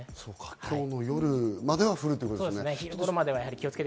今日の夜までは降るということですね。